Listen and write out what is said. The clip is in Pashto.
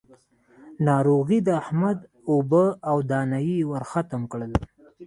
ناروغي د احمد اوبه او دانه يې ورختم کړل.